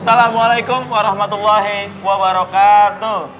assalamu'alaikum warahmatullahi wa barakatuh